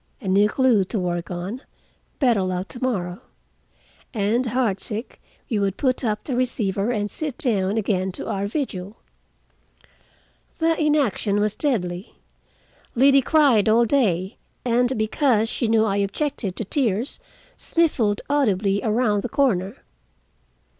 A new clue to work on. Better luck to morrow." And heartsick we would put up the receiver and sit down again to our vigil. The inaction was deadly. Liddy cried all day, and, because she knew I objected to tears, sniffled audibly around the corner.